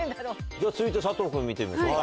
じゃあ続いて佐藤君見てみましょうか。